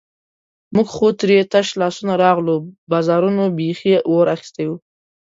موږ خو ترې تش لاسونه راغلو، بازارونو بیخي اور اخیستی وو.